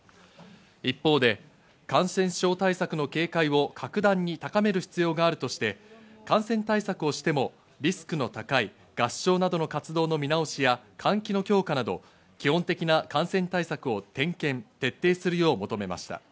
一方で感染症対策の警戒を格段に高める必要があるとして感染対策をしてもリスクの高い合唱などの活動の見直しや換気の強化など基本的な感染対策を点検・徹底するよう求めました。